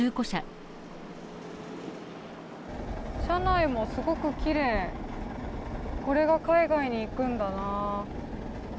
車内もすごくきれいこれが海外に行くんだな。